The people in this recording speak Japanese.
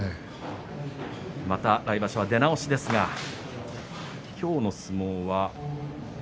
また来場所から出直しですが今日の相撲は。